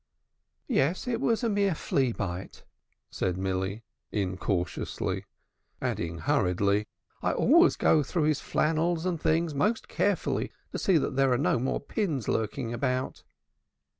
"Yes, it was a mere flea bite," said Milly incautiously, adding hurriedly, "I always go through his flannels and things most carefully to see there are no more pins lurking about."